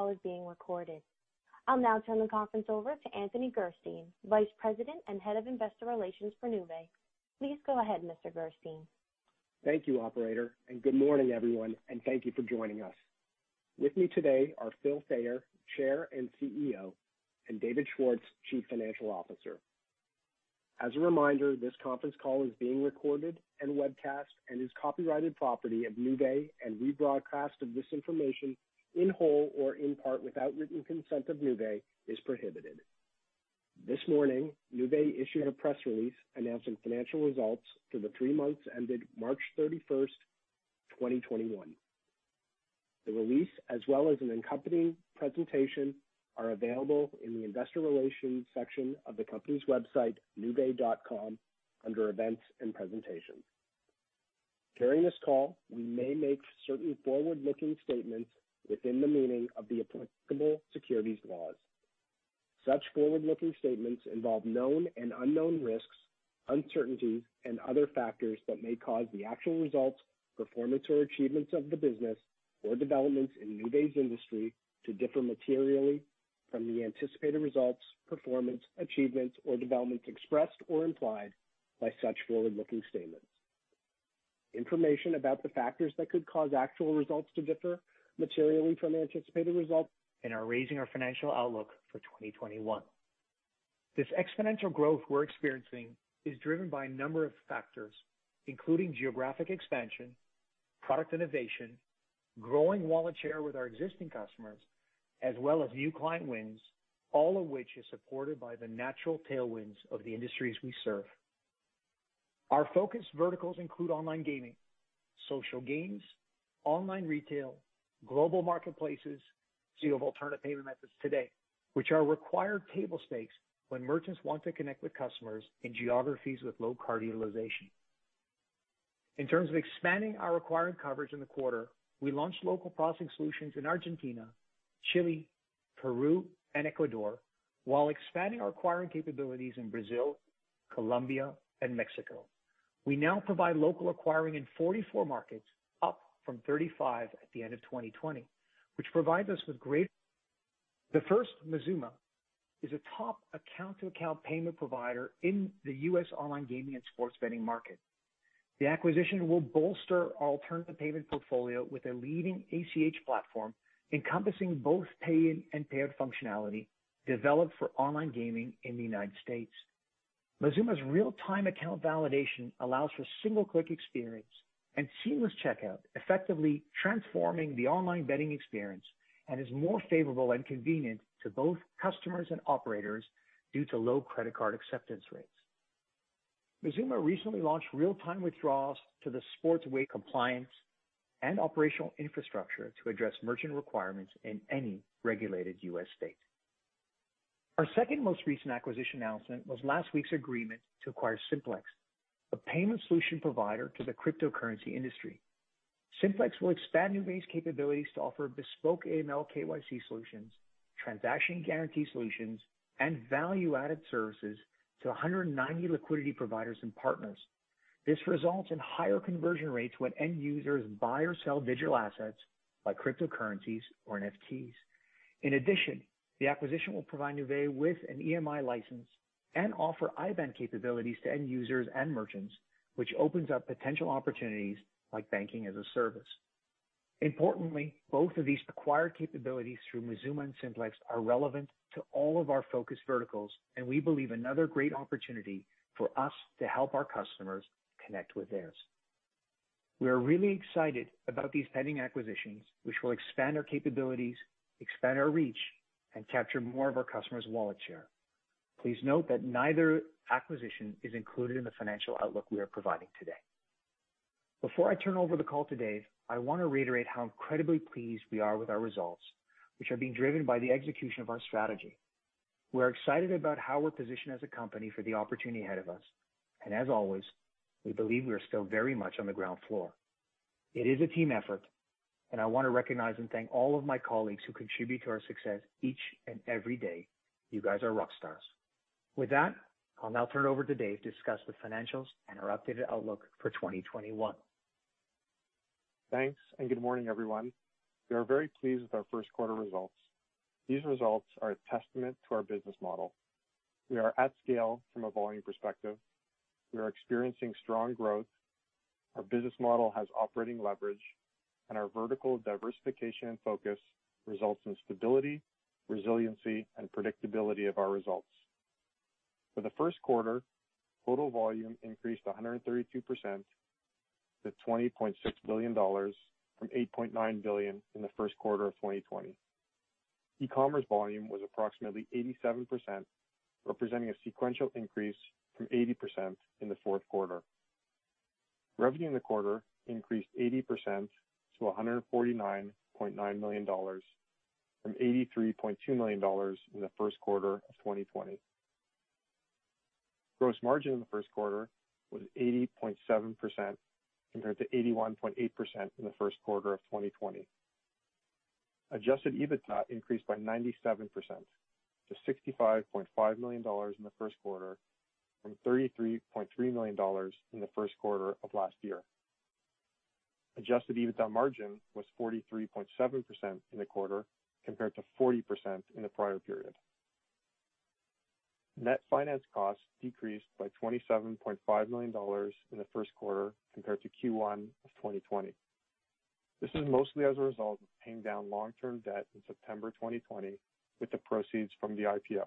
Call is being recorded. I'll now turn the conference over to Anthony Gerstein, Vice President and Head of Investor Relations for Nuvei. Please go ahead, Mr. Gerstein. Thank you, operator, and good morning, everyone, and thank you for joining us. With me today are Phil Fayer, Chair and CEO, and David Schwartz, Chief Financial Officer. As a reminder, this conference call is being recorded and webcast and is copyrighted property of Nuvei and rebroadcast of this information in whole or in part without written consent of Nuvei is prohibited. This morning, Nuvei issued a press release announcing financial results for the three months ended March 31, 2021. The release, as well as an accompanying presentation, are available in the investor relations section of the company's website, nuvei.com, under Events and Presentations. During this call, we may make certain forward-looking statements within the meaning of the applicable securities laws. Such forward-looking statements involve known and unknown risks, uncertainties, and other factors that may cause the actual results, performance, or achievements of the business or developments in Nuvei's industry to differ materially from the anticipated results, performance, achievements, or developments expressed or implied by such forward-looking statements. Information about the factors that could cause actual results to differ materially from anticipated results- and are raising our financial outlook for 2021. This exponential growth we're experiencing is driven by a number of factors, including geographic expansion, product innovation, growing wallet share with our existing customers, as well as new client wins, all of which is supported by the natural tailwinds of the industries we serve. Our focus verticals include online gaming, social games, online retail, global marketplaces, suite of alternative payment methods today, which are required table stakes when merchants want to connect with customers in geographies with low card utilization. In terms of expanding our acquiring coverage in the quarter, we launched local processing solutions in Argentina, Chile, Peru, and Ecuador, while expanding our acquiring capabilities in Brazil, Colombia, and Mexico. We now provide local acquiring in 44 markets, up from 35 at the end of 2020, which provides us with great- The first, Mazooma, is a top account-to-account payment provider in the U.S. online gaming and sports betting market. The acquisition will bolster our alternative payment portfolio with a leading ACH platform, encompassing both pay-in and payout functionality developed for online gaming in the United States. Mazooma's real-time account validation allows for single-click experience and seamless checkout, effectively transforming the online betting experience, and is more favorable and convenient to both customers and operators due to low credit card acceptance rates. Mazooma recently launched real-time withdrawals to that support compliance and operational infrastructure to address merchant requirements in any regulated U.S. state. Our second most recent acquisition announcement was last week's agreement to acquire Simplex, a payment solution provider to the cryptocurrency industry. Simplex will expand Nuvei's capabilities to offer bespoke AML/KYC solutions, transaction guarantee solutions, and value-added services to 190 liquidity providers and partners. This results in higher conversion rates when end users buy or sell digital assets like cryptocurrencies or NFTs. In addition, the acquisition will provide Nuvei with an EMI license and offer IBAN capabilities to end users and merchants, which opens up potential opportunities like banking-as-a-service. Importantly, both of these acquired capabilities through Mazooma and Simplex are relevant to all of our focus verticals, and we believe another great opportunity for us to help our customers connect with theirs. We are really excited about these pending acquisitions, which will expand our capabilities, expand our reach, and capture more of our customers' wallet share. Please note that neither acquisition is included in the financial outlook we are providing today. Before I turn over the call to Dave, I want to reiterate how incredibly pleased we are with our results, which are being driven by the execution of our strategy. We're excited about how we're positioned as a company for the opportunity ahead of us, and as always, we believe we are still very much on the ground floor. It is a team effort, and I want to recognize and thank all of my colleagues who contribute to our success each and every day. You guys are rock stars. With that, I'll now turn it over to Dave to discuss the financials and our updated outlook for 2021. Thanks, and good morning, everyone. We are very pleased with our first quarter results. These results are a testament to our business model. We are at scale from a volume perspective, we are experiencing strong growth, our business model has operating leverage, and our vertical diversification and focus results in stability, resiliency, and predictability of our results. For the first quarter, total volume increased 132% to $20.6 billion from $8.9 billion in the first quarter of 2020. E-commerce volume was approximately 87%, representing a sequential increase from 80% in the fourth quarter. Revenue in the quarter increased 80% to $149.9 million, from $83.2 million in the first quarter of 2020. Gross margin in the first quarter was 80.7%, compared to 81.8% in the first quarter of 2020. Adjusted EBITDA increased by 97% to $65.5 million in the first quarter from $33.3 million in the first quarter of last year. Adjusted EBITDA margin was 43.7% in the quarter, compared to 40% in the prior period. Net finance costs decreased by $27.5 million in the first quarter compared to Q1 of 2020. This is mostly as a result of paying down long-term debt in September 2020, with the proceeds from the IPO.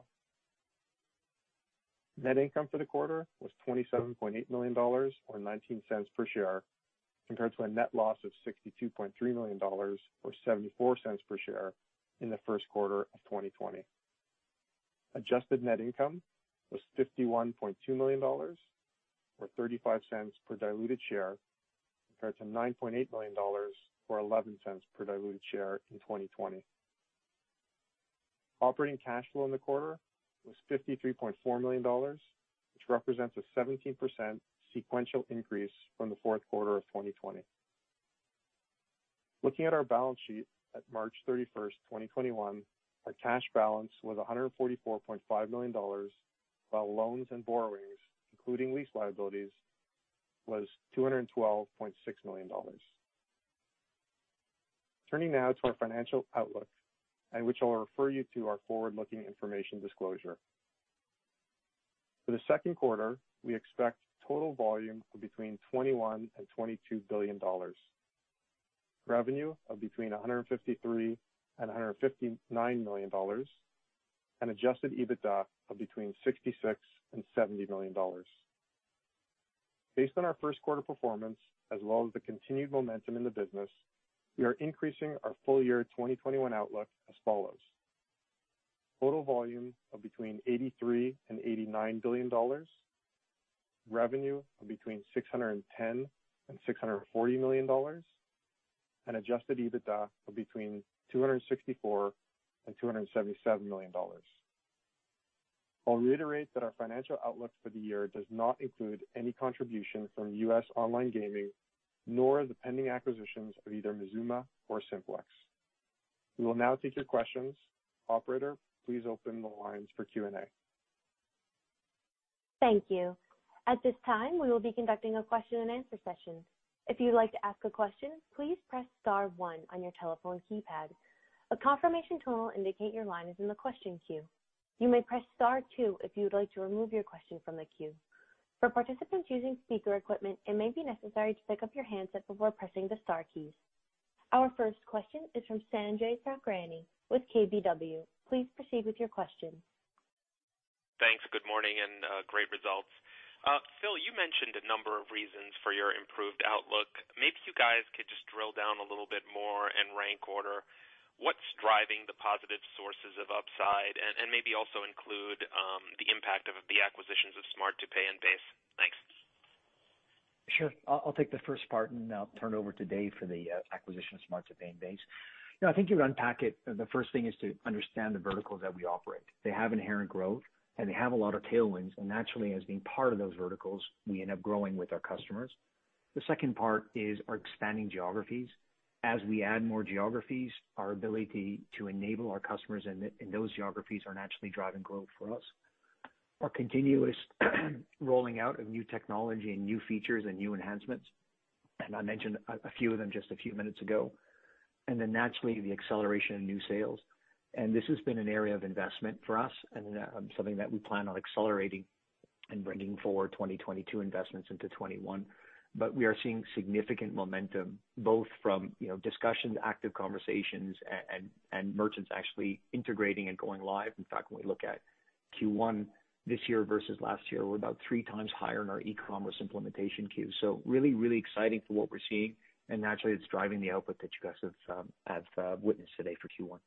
Net income for the quarter was $27.8 million, or $0.19 per share, compared to a net loss of $62.3 million or $0.74 per share in the first quarter of 2020. Adjusted net income was $51.2 million, or $0.35 per diluted share, compared to $9.8 million or $0.11 per diluted share in 2020. Operating cash flow in the quarter was $53.4 million, which represents a 17% sequential increase from the fourth quarter of 2020. Looking at our balance sheet at March 31st, 2021, our cash balance was $144.5 million, while loans and borrowings, including lease liabilities, was $212.6 million. Turning now to our financial outlook, and which I'll refer you to our forward-looking information disclosure. For the second quarter, we expect total volume of between $21 billion and $22 billion. Revenue of between $153 million and $159 million, and Adjusted EBITDA of between $66 million and $70 million. Based on our first quarter performance, as well as the continued momentum in the business, we are increasing our full year 2021 outlook as follows: total volume of between $83 billion and $89 billion, revenue of between $610 million and $640 million, and Adjusted EBITDA of between $264 million and $277 million. I'll reiterate that our financial outlook for the year does not include any contribution from US online gaming, nor the pending acquisitions of either Mazooma or Simplex. We will now take your questions. Operator, please open the lines for Q&A. Thank you. At this time, we will be conducting a question and answer session. If you'd like to ask a question, please press star one on your telephone keypad. A confirmation tone will indicate your line is in the question queue. You may press star two if you would like to remove your question from the queue. For participants using speaker equipment, it may be necessary to pick up your handset before pressing the star keys. Our first question is from Sanjay Sakhrani with KBW. Please proceed with your question. Thanks. Good morning, and great results. Phil, you mentioned a number of reasons for your improved outlook. Maybe you guys could just drill down a little bit more and rank order what's driving the positive sources of upside, and, and maybe also include the impact of the acquisitions of Smart2Pay and Base. Thanks. Sure. I'll take the first part, and I'll turn it over to Dave for the acquisition of Smart2Pay and Base. You know, I think you unpack it, the first thing is to understand the verticals that we operate. They have inherent growth, and they have a lot of tailwinds, and naturally, as being part of those verticals, we end up growing with our customers. The second part is our expanding geographies. As we add more geographies, our ability to enable our customers in those geographies are naturally driving growth for us. Our continuous rolling out of new technology and new features and new enhancements, and I mentioned a few of them just a few minutes ago, and then naturally, the acceleration of new sales. This has been an area of investment for us and something that we plan on accelerating and bringing forward 2022 investments into 2021. But we are seeing significant momentum, both from, you know, discussions, active conversations, and merchants actually integrating and going live. In fact, when we look at Q1 this year versus last year, we're about three times higher in our e-commerce implementation queue. So really, really exciting for what we're seeing, and naturally, it's driving the output that you guys have witnessed today for Q1.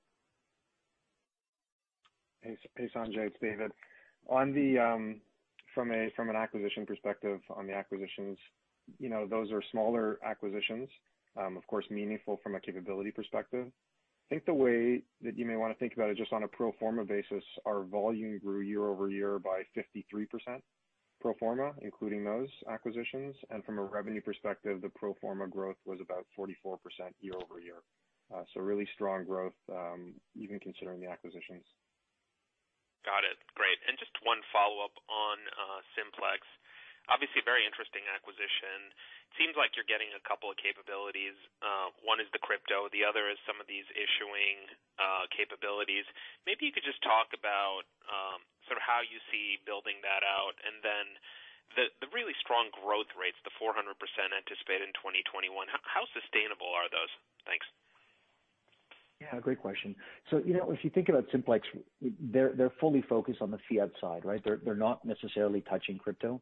Hey, Sanjay, it's David. On the, from a, from an acquisition perspective on the acquisitions, you know, those are smaller acquisitions, of course, meaningful from a capability perspective. I think the way that you may want to think about it, just on a pro forma basis, our volume grew year-over-year by 53% pro forma, including those acquisitions, and from a revenue perspective, the pro forma growth was about 44% year-over-year. So really strong growth, even considering the acquisitions. Got it. Great. And just one follow-up on Simplex. Obviously, a very interesting acquisition. Seems like you're getting a couple of capabilities. One is the crypto, the other is some of these issuing capabilities. Maybe you could just talk about sort of how you see building that out, and then the really strong growth rates, the 400% anticipated in 2021, how sustainable are those? Thanks. Yeah, great question. So, you know, if you think about Simplex, they're fully focused on the fiat side, right? They're not necessarily touching crypto.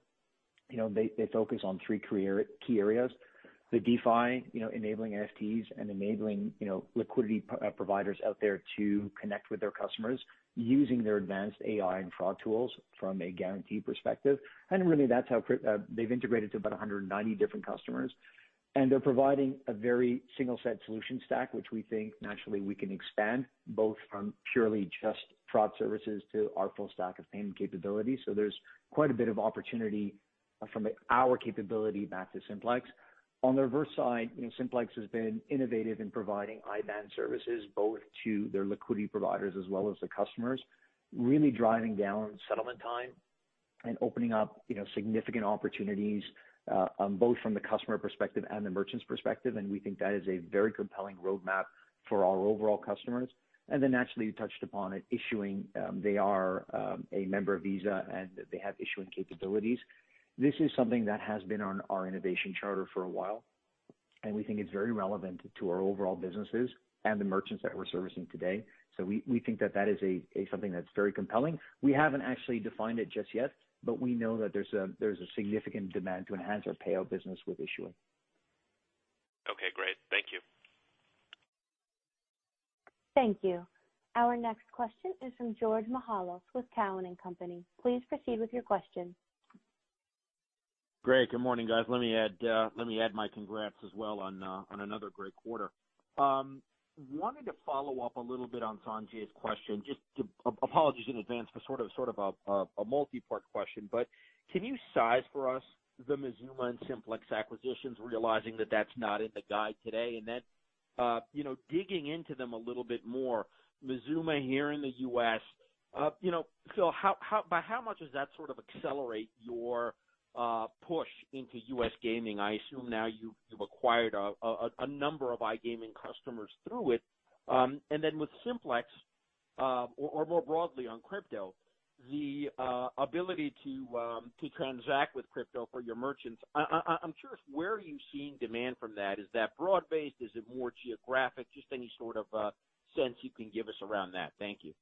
You know, they focus on three key areas, the DeFi, you know, enabling NFTs and enabling, you know, liquidity providers out there to connect with their customers using their advanced AI and fraud tools from a guarantee perspective. And really, that's how they've integrated to about 190 different customers. And they're providing a very single set solution stack, which we think naturally we can expand, both from purely just fraud services to our full stack of payment capabilities. So there's quite a bit of opportunity from our capability back to Simplex. On the reverse side, you know, Simplex has been innovative in providing IBAN services, both to their liquidity providers as well as the customers, really driving down settlement time and opening up, you know, significant opportunities, on both from the customer perspective and the merchant's perspective, and we think that is a very compelling roadmap for our overall customers. And then naturally, you touched upon it, issuing, they are, a member of Visa and they have issuing capabilities. This is something that has been on our innovation charter for a while, and we think it's very relevant to our overall businesses and the merchants that we're servicing today. So we, we think that that is a, a something that's very compelling. We haven't actually defined it just yet, but we know that there's a, there's a significant demand to enhance our payout business with issuing. Okay, great. Thank you. Thank you. Our next question is from George Mihalos with Cowen and Company. Please proceed with your question. Great. Good morning, guys. Let me add my congrats as well on another great quarter. Wanted to follow up a little bit on Sanjay's question, just to apologies in advance for sort of a multi-part question, but can you size for us the Mazooma and Simplex acquisitions, realizing that that's not in the guide today? And then, you know, digging into them a little bit more, Mazooma here in the U.S., you know, so by how much does that sort of accelerate your push into U.S. gaming? I assume now you've acquired a number of iGaming customers through it. And then with Simplex, or more broadly on crypto, the ability to transact with crypto for your merchants, I'm curious, where are you seeing demand from that? Is that broad-based? Is it more geographic? Just any sort of sense you can give us around that. Thank you.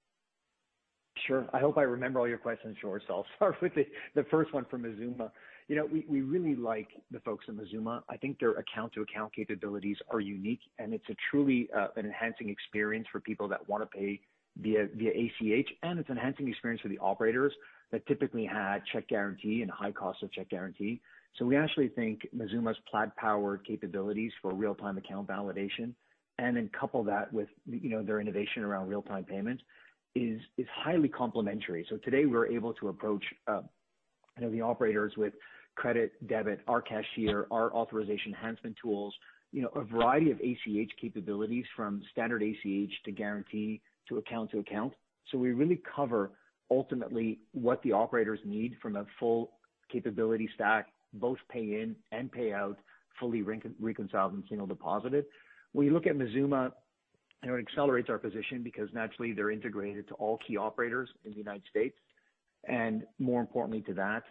Sure. I hope I remember all your questions, George. I'll start with the first one for Mazooma. You know, we really like the folks in Mazooma. I think their account-to-account capabilities are unique, and it's a truly an enhancing experience for people that wanna pay via ACH, and it's enhancing the experience for the operators that typically had check guarantee and high cost of check guarantee. So we actually think Mazooma's Plaid-powered capabilities for real-time account validation, and then couple that with, you know, their innovation around real-time payments, is highly complementary. So today we're able to approach, you know, the operators with credit, debit, our cashier, our authorization enhancement tools, you know, a variety of ACH capabilities, from standard ACH to guarantee to account to account. So we really cover ultimately what the operators need from a full capability stack, both pay-in and payout, fully reconciled and, you know, deposited. We look at Mazooma, and it accelerates our position because naturally they're integrated to all key operators in the United States. And more importantly to that,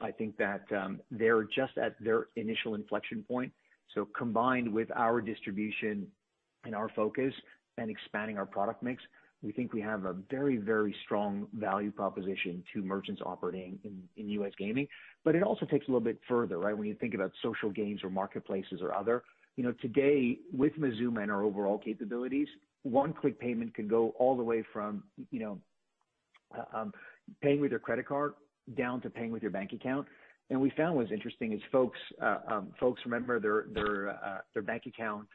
I think that they're just at their initial inflection point. So combined with our distribution and our focus and expanding our product mix, we think we have a very, very strong value proposition to merchants operating in U.S. gaming. But it also takes a little bit further, right? When you think about social games or marketplaces or other. You know, today, with Mazooma and our overall capabilities, one-click payment can go all the way from, you know, paying with your credit card down to paying with your bank account. And we found what's interesting is folks, folks remember their, their, their bank account,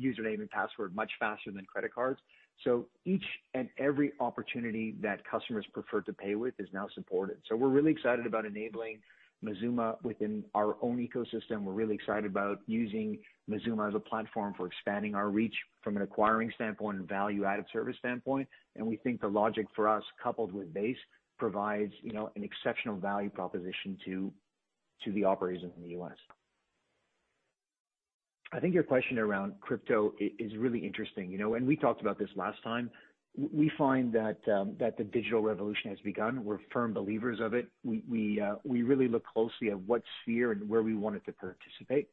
username and password much faster than credit cards. So each and every opportunity that customers prefer to pay with is now supported. So we're really excited about enabling Mazooma within our own ecosystem. We're really excited about using Mazooma as a platform for expanding our reach from an acquiring standpoint and value-added service standpoint. And we think the logic for us, coupled with Base, provides, you know, an exceptional value proposition to, to the operators in the U.S. I think your question around crypto is really interesting. You know, and we talked about this last time. We find that, that the digital revolution has begun. We're firm believers of it. We really look closely at what sphere and where we want it to participate,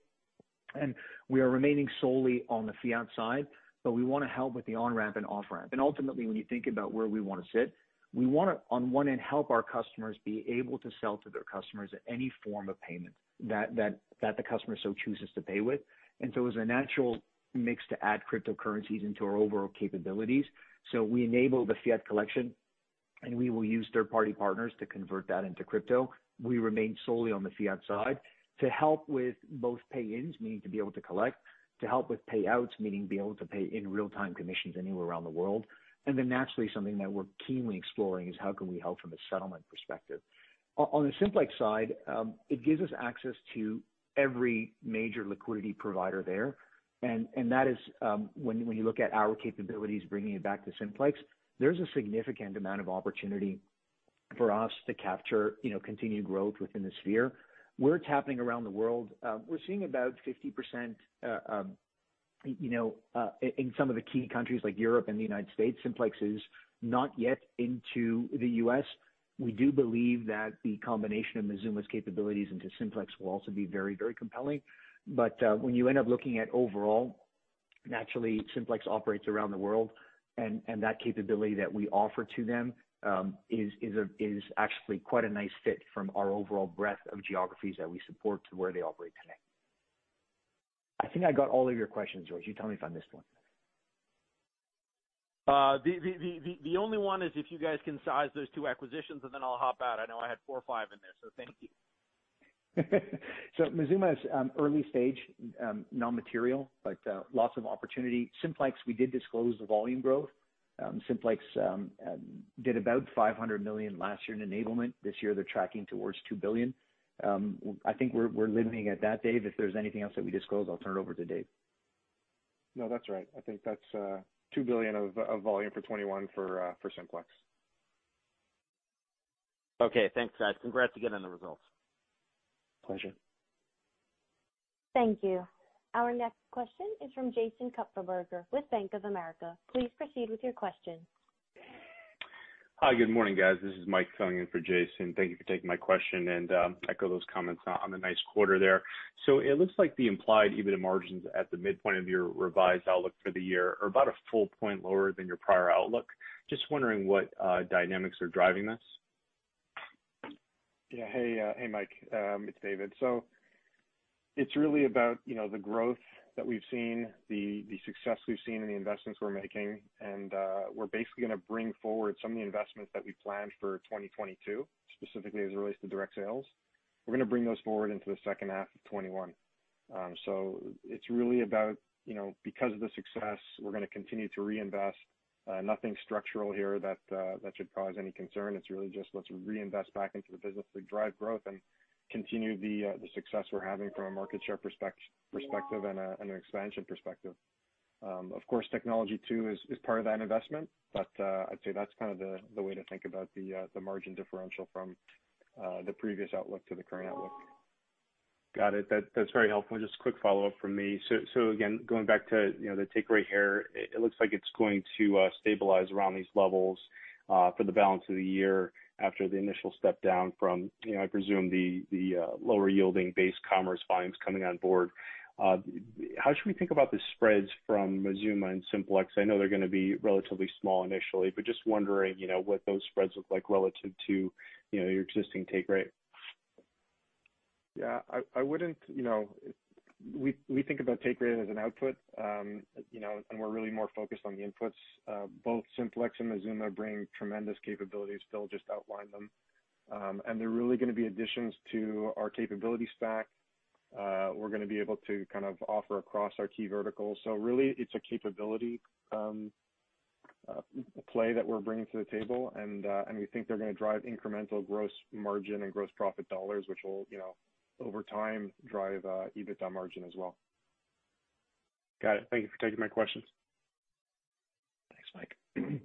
and we are remaining solely on the fiat side, but we wanna help with the on-ramp and off-ramp. Ultimately, when you think about where we wanna sit, we wanna, on one end, help our customers be able to sell to their customers at any form of payment that the customer so chooses to pay with. So it was a natural mix to add cryptocurrencies into our overall capabilities. We enable the fiat collection, and we will use third-party partners to convert that into crypto. We remain solely on the fiat side to help with both pay-ins, meaning to be able to collect, to help with payouts, meaning being able to pay in real-time commissions anywhere around the world. And then naturally, something that we're keenly exploring is how can we help from a settlement perspective? On the Simplex side, it gives us access to every major liquidity provider there, and that is, when you look at our capabilities, bringing it back to Simplex, there's a significant amount of opportunity for us to capture, you know, continued growth within the sphere. Where it's happening around the world, we're seeing about 50%, you know, in some of the key countries like Europe and the United States. Simplex is not yet into the U.S. We do believe that the combination of Mazooma's capabilities into Simplex will also be very, very compelling. But when you end up looking at overall, naturally, Simplex operates around the world, and that capability that we offer to them is actually quite a nice fit from our overall breadth of geographies that we support to where they operate today. I think I got all of your questions, George. You tell me if I missed one. The only one is if you guys can size those two acquisitions, and then I'll hop out. I know I had four or five in there, so thank you. So Mazooma is early stage, non-material, but lots of opportunity. Simplex, we did disclose the volume growth. Simplex did about $500 million last year in enablement. This year, they're tracking towards $2 billion. I think we're living at that, Dave. If there's anything else that we disclose, I'll turn it over to Dave. No, that's right. I think that's $2 billion of volume for 2021 for Simplex. Okay. Thanks, guys. Congrats again on the results. Pleasure. Thank you. Our next question is from Jason Kupferberg with Bank of America. Please proceed with your question. Hi, good morning, guys. This is Mike filling in for Jason. Thank you for taking my question and echo those comments on the nice quarter there. So it looks like the implied EBITDA margins at the midpoint of your revised outlook for the year are about a full point lower than your prior outlook. Just wondering what dynamics are driving this? Yeah. Hey, Mike, it's David. So it's really about, you know, the growth that we've seen, the success we've seen, and the investments we're making. And, we're basically gonna bring forward some of the investments that we planned for 2022, specifically as it relates to direct sales. We're gonna bring those forward into the second half of 2021. So it's really about, you know, because of the success, we're gonna continue to reinvest. Nothing structural here that should cause any concern. It's really just, let's reinvest back into the business to drive growth and continue the success we're having from a market share perspective and an expansion perspective. Of course, technology, too, is part of that investment, but I'd say that's kind of the way to think about the margin differential from the previous outlook to the current outlook. Got it. That, that's very helpful. Just a quick follow-up from me. So, again, going back to, you know, the take rate here, it looks like it's going to stabilize around these levels, for the balance of the year after the initial step down from, you know, I presume, the lower yielding Base Commerce volumes coming on board. How should we think about the spreads from Mazooma and Simplex? I know they're gonna be relatively small initially, but just wondering, you know, what those spreads look like relative to, you know, your existing take rate. Yeah. I wouldn't, you know... We think about take rate as an output, you know, and we're really more focused on the inputs. Both Simplex and Mazooma bring tremendous capabilities. Phil just outlined them. And they're really gonna be additions to our capability stack. We're gonna be able to kind of offer across our key verticals. So really, it's a capability play that we're bringing to the table, and we think they're gonna drive incremental gross margin and gross profit dollars, which will, you know, over time, drive EBITDA margin as well. Got it. Thank you for taking my questions. Thanks, Mike.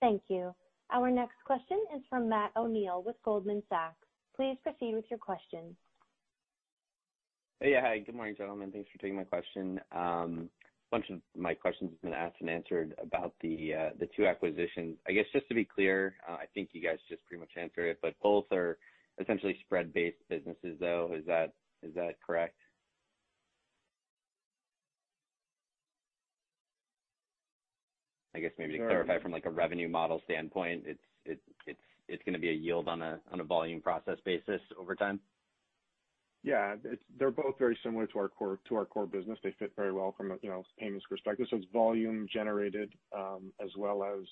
Thank you. Our next question is from Matt O'Neill with Goldman Sachs. Please proceed with your questions. Hey, hi, good morning, gentlemen. Thanks for taking my question. A bunch of my questions have been asked and answered about the two acquisitions. I guess, just to be clear, I think you guys just pretty much answered it, but both are essentially spread-based businesses, though. Is that correct? I guess maybe to clarify from like a revenue model standpoint, it's gonna be a yield on a volume process basis over time? Yeah. It's—they're both very similar to our core, to our core business. They fit very well from a, you know, payments perspective. So it's volume generated, as well as,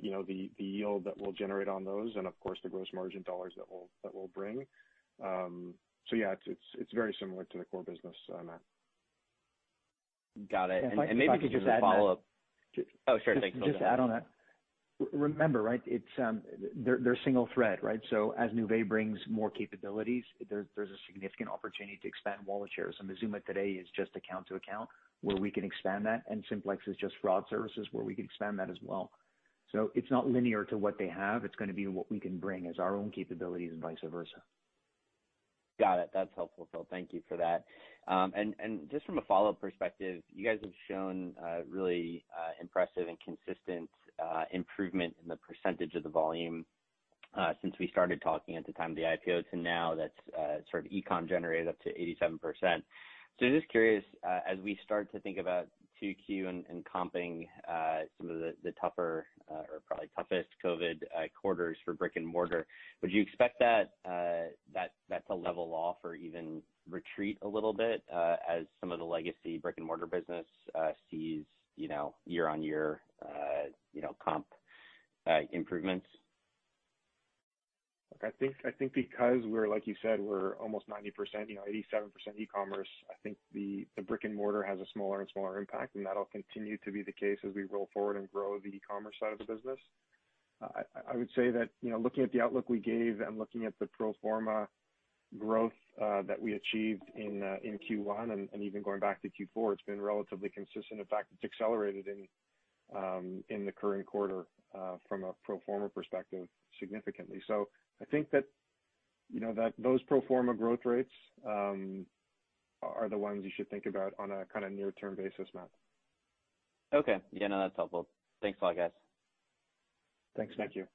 you know, the, the yield that we'll generate on those and of course, the gross margin dollars that we'll, that we'll bring. So yeah, it's, it's very similar to the core business, Matt. Got it. If I could just add, Matt- Maybe just a follow-up. Oh, sure. Thanks, Phil. Just add on that. Remember, right, it's they're single thread, right? So as Nuvei brings more capabilities, there's a significant opportunity to expand wallet shares, and Mazooma today is just account to account, where we can expand that, and Simplex is just fraud services, where we can expand that as well. So it's not linear to what they have. It's gonna be what we can bring as our own capabilities and vice versa. Got it. That's helpful, Phil. Thank you for that. And just from a follow-up perspective, you guys have shown really impressive and consistent improvement in the percentage of the volume since we started talking at the time of the IPO to now that's sort of e-com generated up to 87%. So just curious, as we start to think about 2Q and comping some of the tougher or probably toughest COVID quarters for brick-and-mortar, would you expect that to level off or even retreat a little bit as some of the legacy brick-and-mortar business sees you know year-on-year you know comp improvements? I think because we're, like you said, we're almost 90%, you know, 87% e-commerce, I think the brick-and-mortar has a smaller and smaller impact, and that'll continue to be the case as we roll forward and grow the e-commerce side of the business. I would say that, you know, looking at the outlook we gave and looking at the pro forma growth that we achieved in Q1 and even going back to Q4, it's been relatively consistent. In fact, it's accelerated in the current quarter from a pro forma perspective, significantly. So I think that, you know, that those pro forma growth rates are the ones you should think about on a kinda near-term basis, Matt. Okay. Yeah, no, that's helpful. Thanks a lot, guys. Thanks, Matt. Thank you.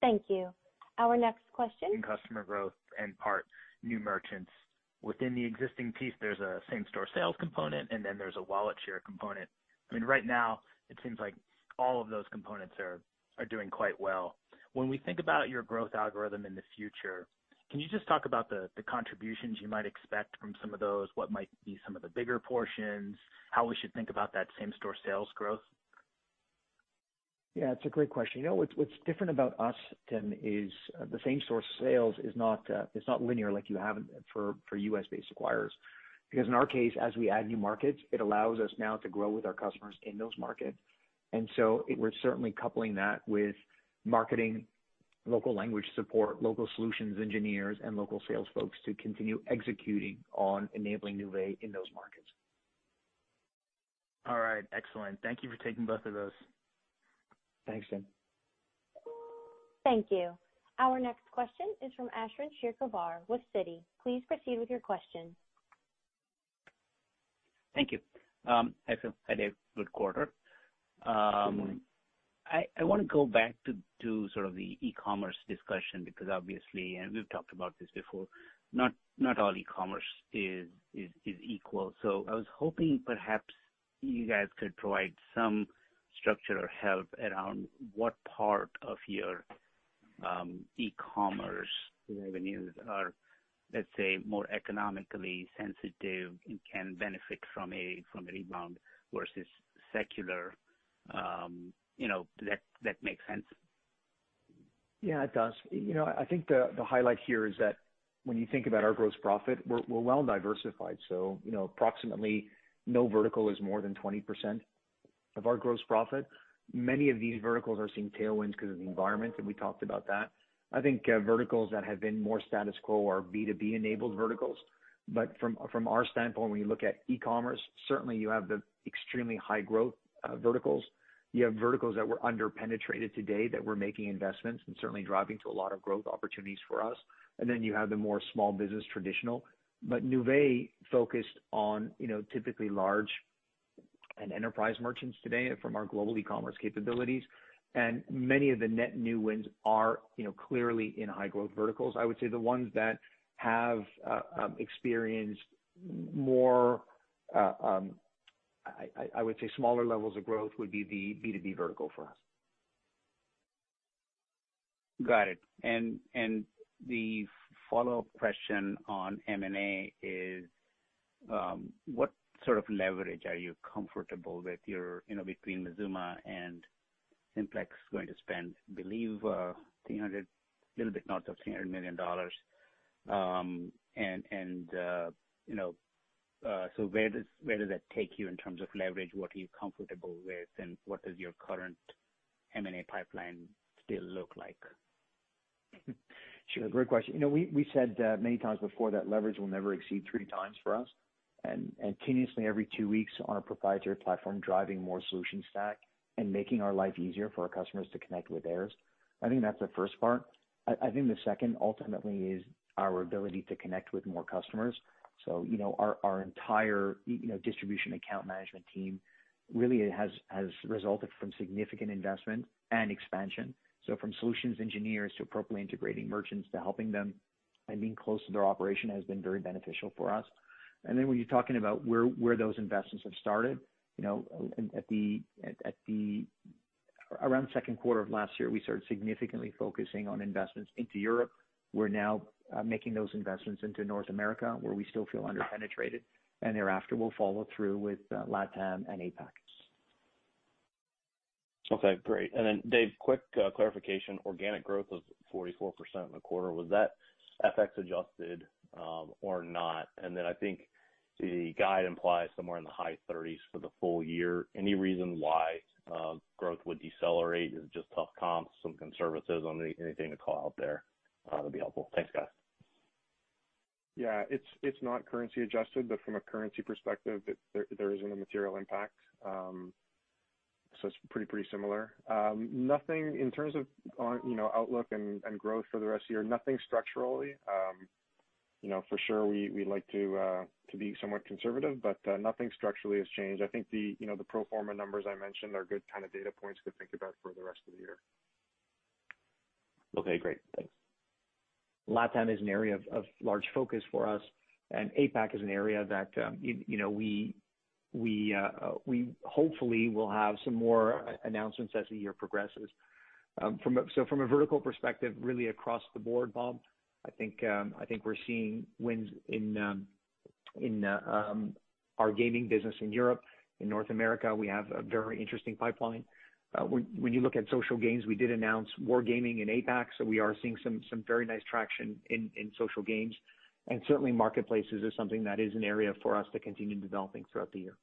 Thank you. Our next question- Customer growth and part new merchants. Within the existing piece, there's a same-store sales component, and then there's a wallet share component. I mean, right now it seems like all of those components are doing quite well. When we think about your growth algorithm in the future, can you just talk about the contributions you might expect from some of those? What might be some of the bigger portions, how we should think about that same-store sales growth? Yeah, it's a great question. You know what's different about us, Tim, is the same-store sales is not, it's not linear like you have for U.S.-based acquirers. Because in our case, as we add new markets, it allows us now to grow with our customers in those markets. And so we're certainly coupling that with marketing, local language support, local solutions engineers, and local sales folks to continue executing on enabling Nuvei in those markets. All right. Excellent. Thank you for taking both of those. Thanks, Tim. Thank you. Our next question is from Ashwin Shirvaikar with Citi. Please proceed with your question. Thank you. Hi, Phil. Hi, Dave. Good quarter. I wanna go back to sort of the e-commerce discussion, because obviously, and we've talked about this before, not all e-commerce is equal. So I was hoping perhaps you guys could provide some structure or help around what part of your e-commerce revenues are, let's say, more economically sensitive and can benefit from a rebound versus secular. You know, does that make sense? Yeah, it does. You know, I think the highlight here is that when you think about our gross profit, we're well diversified. So, you know, approximately no vertical is more than 20% of our gross profit. Many of these verticals are seeing tailwinds because of the environment, and we talked about that. I think verticals that have been more status quo are B2B-enabled verticals. But from our standpoint, when you look at e-commerce, certainly you have the extremely high growth verticals. You have verticals that were under-penetrated today, that we're making investments and certainly driving to a lot of growth opportunities for us. And then you have the more small business traditional. But Nuvei focused on, you know, typically large and enterprise merchants today from our global e-commerce capabilities, and many of the net new wins are, you know, clearly in high growth verticals. I would say the ones that have experienced more... I would say smaller levels of growth would be the B2B vertical for us. Got it. And the follow-up question on M&A is, what sort of leverage are you comfortable with, you know, between Mazooma and Simplex going to spend? I believe, 300, a little bit of $300 million. And so where does that take you in terms of leverage? What are you comfortable with, and what does your current M&A pipeline still look like? Sure, great question. You know, we said many times before that leverage will never exceed three times for us, and continuously every two weeks on a proprietary platform, driving more solution stack and making our life easier for our customers to connect with theirs. I think that's the first part. I think the second, ultimately, is our ability to connect with more customers. So, you know, our entire e- you know, distribution account management team really has resulted from significant investment and expansion. So from solutions engineers to appropriately integrating merchants, to helping them and being close to their operation, has been very beneficial for us. And then when you're talking about where those investments have started, you know, at the around second quarter of last year, we started significantly focusing on investments into Europe. We're now making those investments into North America, where we still feel under-penetrated, and thereafter we'll follow through with LatAm and APAC. Okay, great. And then, Dave, quick clarification. Organic growth was 44% in the quarter. Was that FX adjusted or not? And then I think the guide implies somewhere in the high 30s for the full year. Any reason why growth would decelerate? Is it just tough comps, some conservatism, anything to call out there that'd be helpful. Thanks, guys. Yeah, it's not currency adjusted, but from a currency perspective, there isn't a material impact. So it's pretty similar. Nothing in terms of, on, you know, outlook and growth for the rest of the year, nothing structurally. You know, for sure, we like to be somewhat conservative, but nothing structurally has changed. I think the, you know, the pro forma numbers I mentioned are good kind of data points to think about for the rest of the year. Okay, great. Thanks. LatAm is an area of large focus for us, and APAC is an area that, you know, we hopefully will have some more announcements as the year progresses. From a vertical perspective, really across the board, Bob, I think we're seeing wins in our gaming business in Europe. In North America, we have a very interesting pipeline. When you look at social games, we did announce Wargaming in APAC, so we are seeing some very nice traction in social games. And certainly, marketplaces is something that is an area for us to continue developing throughout the year.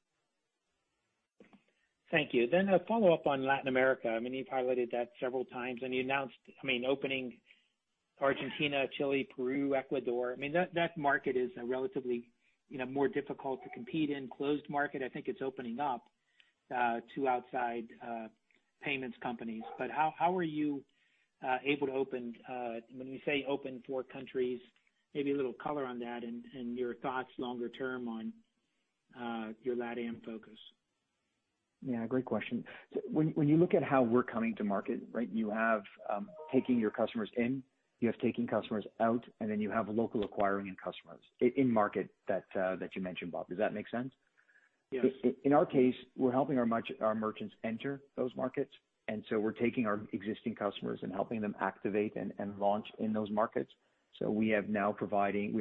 Thank you. Then a follow-up on Latin America. I mean, you've highlighted that several times, and you announced, I mean, opening Argentina, Chile, Peru, Ecuador. I mean, that, that market is a relatively, you know, more difficult to compete in, closed market. I think it's opening up to outside payments companies. But how, how are you able to open, when you say open four countries, maybe a little color on that and, and your thoughts longer term on your LatAm focus? Yeah, great question. So when you look at how we're coming to market, right, you have taking your customers in, you have taking customers out, and then you have local acquiring and customers in market that that you mentioned, Bob. Does that make sense? Yes. In our case, we're helping our merchants enter those markets, and so we're taking our existing customers and helping them activate and launch in those markets. So we are now providing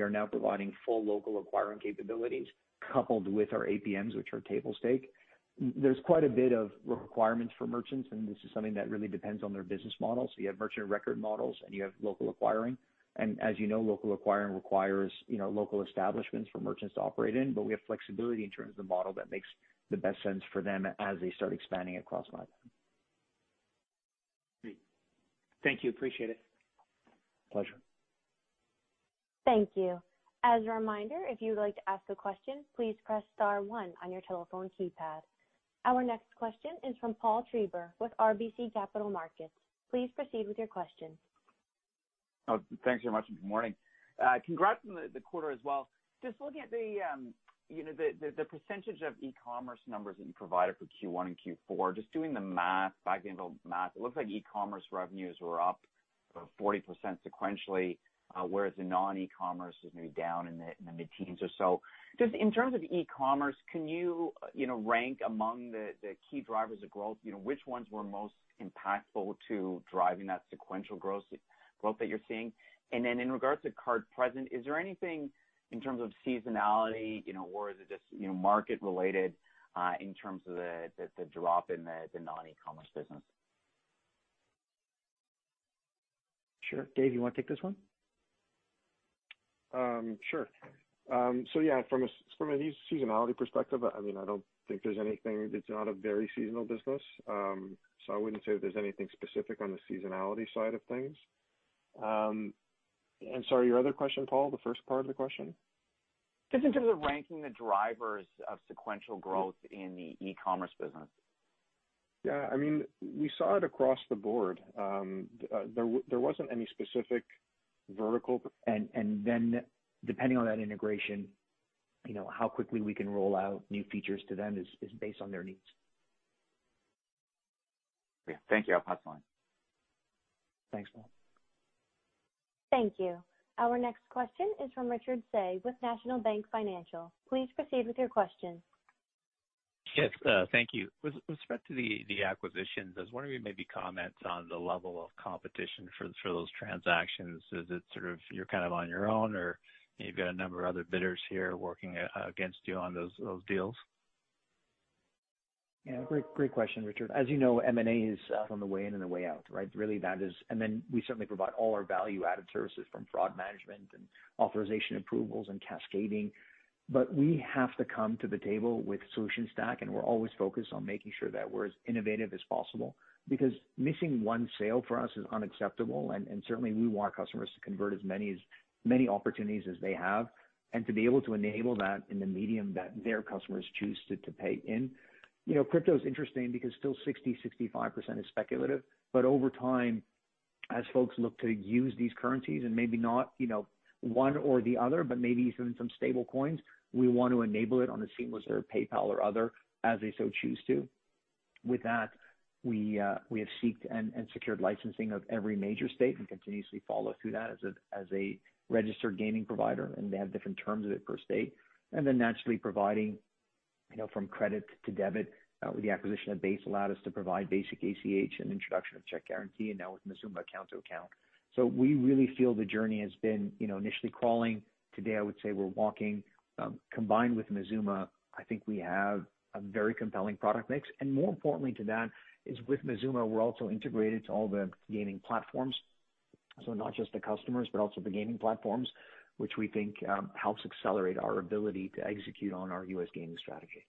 full local acquiring capabilities, coupled with our APMs, which are table stakes. There's quite a bit of requirements for merchants, and this is something that really depends on their business model. So you have merchant of record models, and you have local acquiring. And as you know, local acquiring requires, you know, local establishments for merchants to operate in. But we have flexibility in terms of the model that makes the best sense for them as they start expanding across LatAm. Great. Thank you. Appreciate it. Pleasure. Thank you. As a reminder, if you'd like to ask a question, please press star one on your telephone keypad. Our next question is from Paul Treiber with RBC Capital Markets. Please proceed with your question. Oh, thanks very much, and good morning. Congrats on the quarter as well. Just looking at the, you know, the percentage of e-commerce numbers that you provided for Q1 and Q4, just doing the math, back-of-the-envelope math, it looks like e-commerce revenues were up 40% sequentially, whereas the non-e-commerce is maybe down in the mid-teens or so. Just in terms of e-commerce, can you, you know, rank among the key drivers of growth, you know, which ones were most impactful to driving that sequential growth, growth that you're seeing? And then in regards to card present, is there anything in terms of seasonality, you know, or is it just, you know, market related, in terms of the drop in the non-e-commerce business? Sure. Dave, you wanna take this one? Sure. So yeah, from a seasonality perspective, I mean, I don't think there's anything. It's not a very seasonal business. So I wouldn't say there's anything specific on the seasonality side of things. And sorry, your other question, Paul, the first part of the question? Just in terms of ranking the drivers of sequential growth in the e-commerce business. Yeah. I mean, we saw it across the board. There wasn't any specific vertical- And then depending on that integration, you know, how quickly we can roll out new features to them is based on their needs. Yeah. Thank you. I'll pass the line. Thanks, Paul. Thank you. Our next question is from Richard Tse with National Bank Financial. Please proceed with your question. Yes, thank you. With respect to the acquisitions, I was wondering if you maybe comment on the level of competition for those transactions. Is it sort of you're kind of on your own, or you've got a number of other bidders here working against you on those deals? Yeah, great, great question, Richard. As you know, M&A is on the way in and the way out, right? Really, that is, and then we certainly provide all our value-added services from fraud management and authorization approvals and cascading. But we have to come to the table with solution stack, and we're always focused on making sure that we're as innovative as possible. Because missing one sale for us is unacceptable, and certainly we want our customers to convert as many opportunities as they have, and to be able to enable that in the medium that their customers choose to pay in. You know, crypto is interesting because still 60%-65% is speculative. But over time, as folks look to use these currencies and maybe not, you know, one or the other, but maybe even some stable coins, we want to enable it on the same as their PayPal or other, as they so choose to. With that, we have seek and secured licensing of every major state and continuously follow through that as a registered gaming provider, and they have different terms of it per state. And then naturally providing, you know, from credit to debit, with the acquisition of Base allowed us to provide basic ACH and introduction of check guarantee, and now with Mazooma account to account. So we really feel the journey has been, you know, initially crawling. Today, I would say we're walking. Combined with Mazooma, I think we have a very compelling product mix. More importantly to that is with Mazooma, we're also integrated to all the gaming platforms. So not just the customers, but also the gaming platforms, which we think helps accelerate our ability to execute on our U.S. gaming strategy.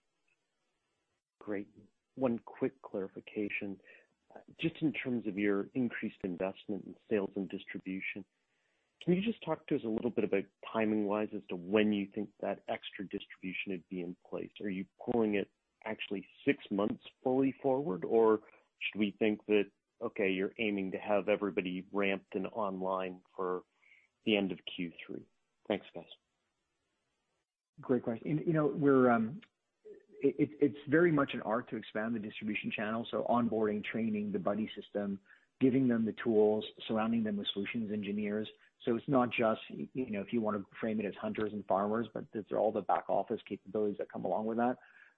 Great. One quick clarification. Just in terms of your increased investment in sales and distribution, can you just talk to us a little bit about timing-wise as to when you think that extra distribution would be in place? Are you pulling it actually six months fully forward, or should we think that, okay, you're aiming to have everybody ramped and online for the end of Q3? Thanks, guys. Great question. And, you know, we're. It's very much an art to expand the distribution channel, so onboarding, training, the buddy system, giving them the tools, surrounding them with solutions engineers. So it's not just, you know, if you wanna frame it as hunters and farmers, but it's all the back office capabilities that come along with that.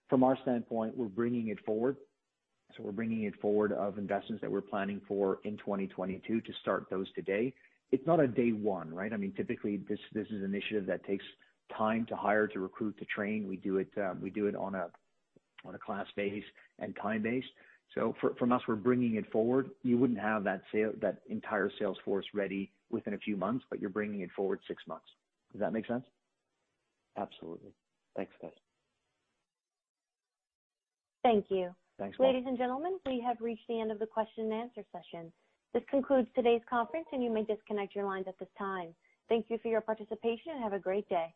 From our standpoint, we're bringing it forward. So we're bringing it forward of investments that we're planning for in 2022 to start those today. It's not a day one, right? I mean, typically, this is an initiative that takes time to hire, to recruit, to train. We do it, we do it on a class basis and time base. So from us, we're bringing it forward. You wouldn't have that entire sales force ready within a few months, but you're bringing it forward six months. Does that make sense? Absolutely. Thanks, guys. Thank you. Thanks. Ladies and gentlemen, we have reached the end of the question and answer session. This concludes today's conference, and you may disconnect your lines at this time. Thank you for your participation and have a great day.